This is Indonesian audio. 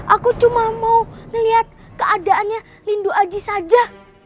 aku cuma mau liat keadaannya lindu aji saja